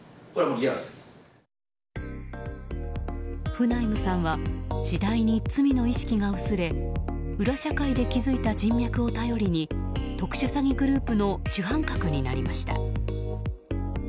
フナイムさんは次第に罪の意識が薄れ裏社会で築いた人脈を頼りに特殊詐欺グループの主犯格になりました。